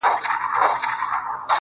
پر وجود څه ډول حالت وو اروا څه ډول وه,